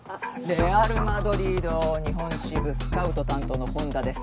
レアル・マドリード日本支部スカウト担当のホンダです。